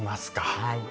はい。